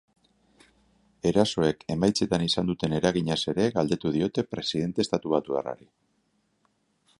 Erasoek emaitzetan izan zuten eraginaz ere galdetu diote presidente estatubatuarrari.